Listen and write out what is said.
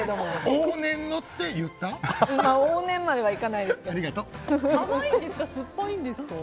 往年まではいかないですけど。